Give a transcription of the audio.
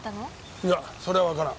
いやそれはわからん。